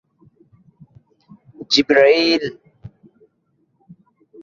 কিছু প্রত্নতাত্ত্বিক দল এখানে প্রাক-ইউরোপীয় ক্রিয়াকলাপ চিহ্নিত করেছে।